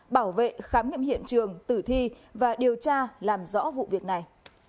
bảo vệ khám nghiệm hiện trường tử thi và điều tra làm rõ vụ việc này